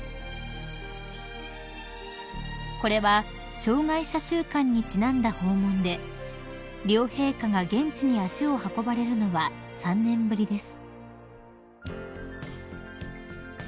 ［これは障害者週間にちなんだ訪問で両陛下が現地に足を運ばれるのは３年ぶりです］